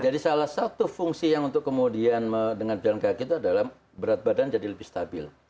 jadi salah satu fungsi yang untuk kemudian dengan berjalan kaki itu adalah berat badan jadi lebih stabil